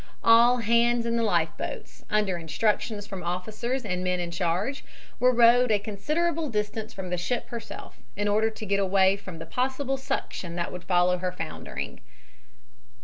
All hands in the life boats, under instructions from officers and men in charge, were rowed a considerable distance from the ship herself in order to get far away from the possible suction that would follow her foundering.